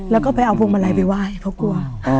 แล้วก็ไปเอาพวงมาลัยไปไหว้เพราะกลัว